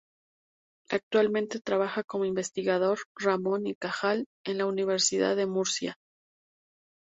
Actualmente trabaja como investigador "Ramón y Cajal" en la Universidad de Murcia.